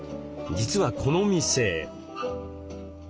実はこの店。